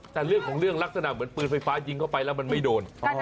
แต่เรื่องของเรื่องลักษณะเหมือนปืนไฟฟ้ายิงเข้าไปแล้วมันไม่โดน